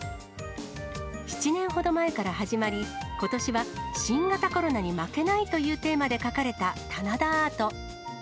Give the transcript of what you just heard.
７年ほど前から始まり、ことしは新型コロナに負けないというテーマで描かれた棚田アート。